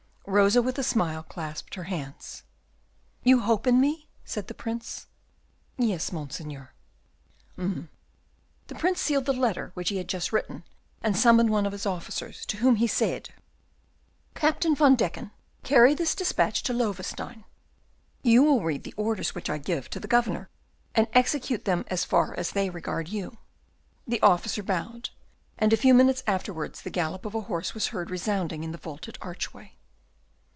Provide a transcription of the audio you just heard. Rosa, with a smile, clasped her hands. "You hope in me?" said the Prince. "Yes, Monseigneur." "Umph!" The Prince sealed the letter which he had just written, and summoned one of his officers, to whom he said, "Captain van Deken, carry this despatch to Loewestein; you will read the orders which I give to the Governor, and execute them as far as they regard you." The officer bowed, and a few minutes afterwards the gallop of a horse was heard resounding in the vaulted archway.